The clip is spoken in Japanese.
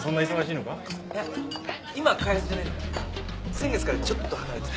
先月からちょっと離れてる。